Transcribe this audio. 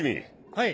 はい。